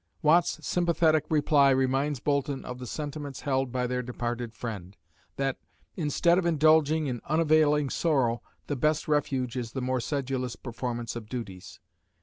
Watt's sympathetic reply reminds Boulton of the sentiments held by their departed friend that, instead of indulging in unavailing sorrow, the best refuge is the more sedulous performance of duties.